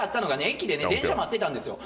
駅でね電車待ってたんですよ